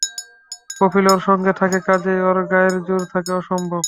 কফিল ওর সঙ্গে থাকে-কাজেই ওর গায়ের জোর থাকে অসম্ভব।